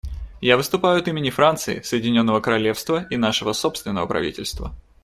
Я выступаю от имени Франции, Соединенного Королевства и нашего собственного правительства.